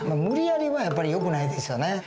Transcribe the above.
無理やりはやっぱりよくないですよね。